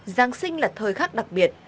giáng sinh là thời khắc đặc biệt